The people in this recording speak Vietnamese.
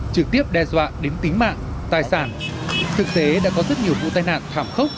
trực tiếp đe dọa đến tính mạng tài sản thực tế đã có rất nhiều vụ tai nạn thảm khốc